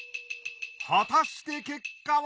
果たして結果は！？